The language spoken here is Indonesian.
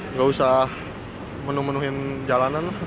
nggak usah menuh menuhin jalanan